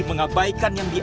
mengabaikan yang terjadi